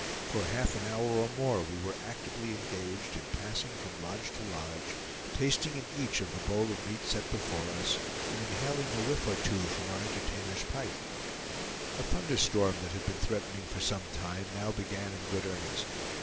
For half an hour or more we were actively engaged in passing from lodge to lodge, tasting in each of the bowl of meat set before us, and inhaling a whiff or two from our entertainer's pipe. A thunderstorm that had been threatening for some time now began in good earnest.